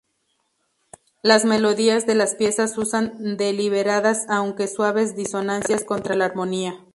Las melodías de las piezas usan deliberadas aunque suaves disonancias contra la armonía.